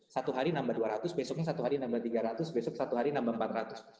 satu hari nambah dua ratus besoknya satu hari nambah tiga ratus besok satu hari nambah empat ratus